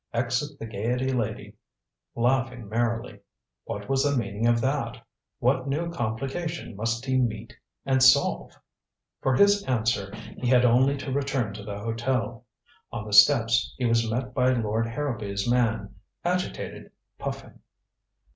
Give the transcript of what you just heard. Exit the Gaiety lady, laughing merrily. What was the meaning of that? What new complication must he meet and solve? For his answer, he had only to return to the hotel. On the steps he was met by Lord Harrowby's man, agitated, puffing.